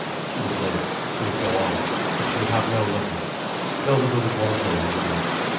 She would live, she would go on, but she would have no lovers, no lover would want her any more.